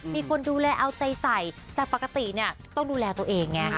มีคนดูแลเอาใจใส่แต่ปกติเนี่ยต้องดูแลตัวเองไง